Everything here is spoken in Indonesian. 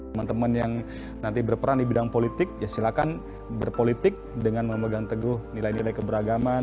teman teman yang nanti berperan di bidang politik ya silakan berpolitik dengan memegang teguh nilai nilai keberagaman